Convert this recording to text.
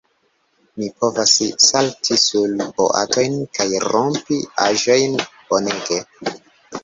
Mi povas salti sur boatojn, kaj rompi aĵojn. Bonege.